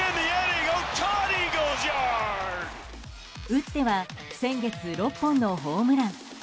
打っては先月６本のホームラン。